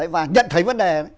và nhận thấy vấn đề